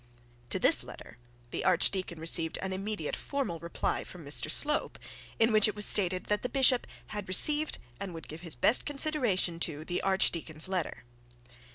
To this letter the archdeacon received an immediate formal reply from Mr Slope, in which it was stated, that the bishop had received and would give his best consideration to the archdeacon's letter.